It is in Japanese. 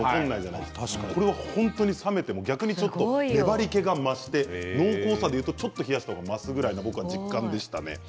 これは冷めても逆に粘りけが増して濃厚さでいうとちょっと冷やした方が増すような実感でした。